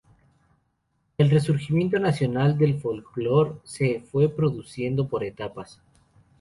El resurgimiento nacional del folklore se fue produciendo por etapas.